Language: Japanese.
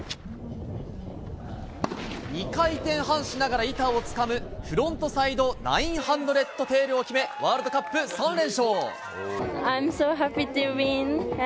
２回転半しながら板をつかむフロントサイド９００テールを決め、ワールドカップ３連勝。